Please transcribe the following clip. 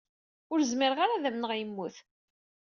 Ur zmireɣ ara ad amneɣ yemmut!